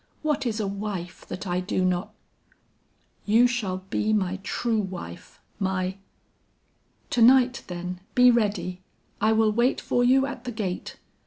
What is a wife that I do not ' 'You shall be my true wife, my ' "'To night then, be ready; I will wait for you at the gate.